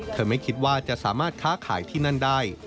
ไม่คิดว่าจะสามารถค้าขายที่นั่นได้